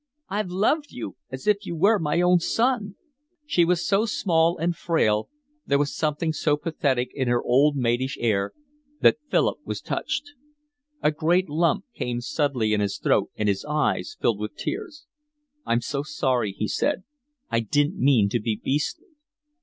I've loved you as if you were my own son." She was so small and frail, there was something so pathetic in her old maidish air, that Philip was touched. A great lump came suddenly in his throat and his eyes filled with tears. "I'm so sorry," he said. "I didn't mean to be beastly."